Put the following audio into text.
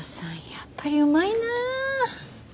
やっぱりうまいな！